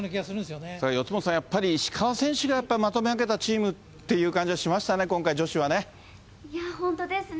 もう四元さん、石川選手がまとめ上げたチームっていう感じがしましたね、今回、いや、本当ですね。